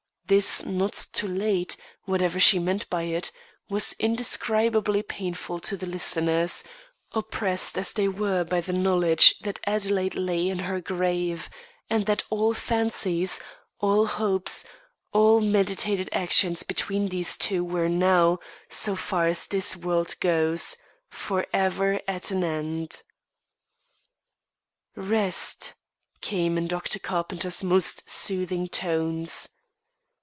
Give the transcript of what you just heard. This "not too late," whatever she meant by it, was indescribably painful to the listeners, oppressed as they were by the knowledge that Adelaide lay in her grave, and that all fancies, all hopes, all meditated actions between these two were now, so far as this world goes, forever at an end. "Rest," came in Dr. Carpenter's most soothing tones.